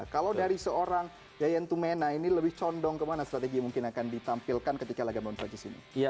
kalau dari seorang jeyentumena ini lebih condong ke mana strategi yang mungkin akan ditampilkan ketika lagam belajar di sini